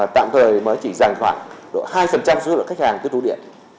tạm thời mới chỉ giàn khoảng hai rút được khách hàng từ thú điện